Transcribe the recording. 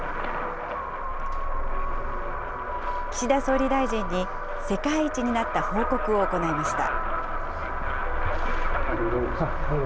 岸田総理大臣に世界一になった報告を行いました。